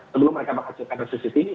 sebelum mereka menghasilkan resesi tinggi